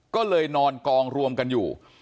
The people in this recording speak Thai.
ก็เลยนอนกองรวมกันอยู่